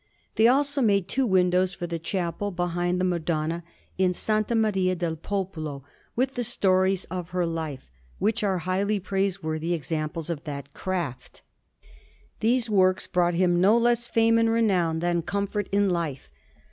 They also made two windows for the chapel behind the Madonna in S. Maria del Popolo, with the stories of her life, which were highly praiseworthy examples of that craft. These works brought them no less fame and renown than comfort in life.